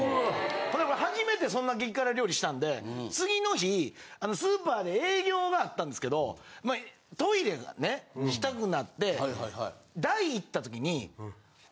初めてそんな激辛料理したんで次の日スーパーで営業があったんですけどトイレがねしたくなって大いったときに。